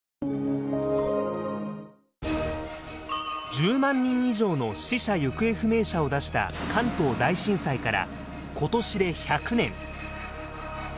１０万人以上の死者・行方不明者を出した関東大震災から今年で１００年。